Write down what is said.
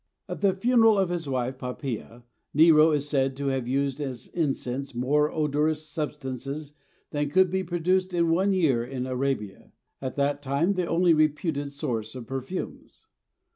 At the funeral of his wife Poppæa, Nero is said to have used as incense more odorous substances than could be produced in one year in Arabia, at that time the only reputed source of perfumes.